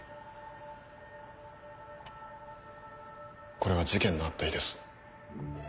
これは事件のあった日です。